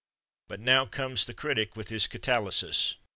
But now comes the critic with his catalysis.